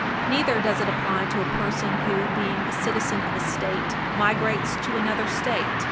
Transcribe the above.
Neither does it apply to a person who, being the citizen of a State, migrates to another State.